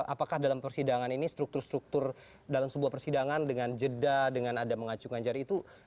apakah dalam persidangan ini struktur struktur dalam sebuah persidangan dengan jeda dengan ada mengacungkan jari itu